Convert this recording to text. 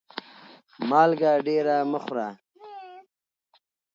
مالګه ډيره مه خوره